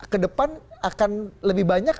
ke depan akan lebih banyak